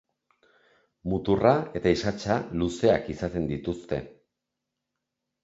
Muturra eta isatsa luzeak izaten dituzte.